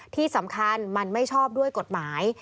ที่สำคัญมันไม่ชอบด้วยกฎหมาย